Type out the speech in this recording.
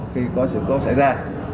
khi có sự cố xảy ra